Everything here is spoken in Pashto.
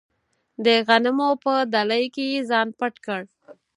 د غنمو په دلۍ کې یې ځان پټ کړ.